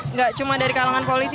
nggak cuma dari kalangan polisi